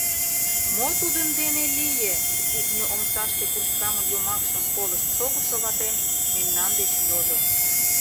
— Мо тудын дене лие? — кухньо омсаште курскамын йомакшым колышт шогышо ватем мемнан деч йодо.